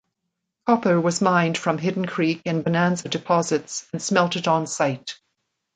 Copper was mined from Hidden Creek and Bonanza deposits and smelted on site.